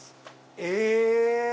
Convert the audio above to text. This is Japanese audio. え！